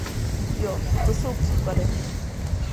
Jo to sou případy.